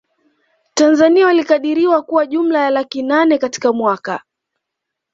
Tanzania walikadiriwa kuwa jumla ya laki nane katika mwaka